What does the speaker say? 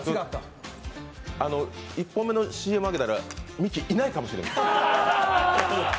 １本目のＣＭ開けたらミキいないかもしれません。